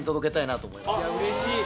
うれしい。